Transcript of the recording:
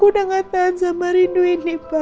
aku udah gak tahan sama rindu ini pak